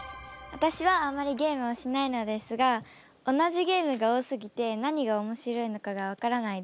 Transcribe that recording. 私はあまりゲームをしないのですが同じゲームが多すぎて何が面白いのかが分からないです。